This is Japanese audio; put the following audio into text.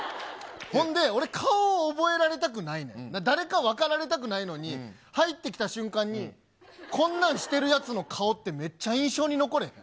ほんで、俺、顔を覚えられたくないねん、誰か分かられたくないのに、入ってきた瞬間に、こんなんしてるやつの顔ってめっちゃ印象に残れへん？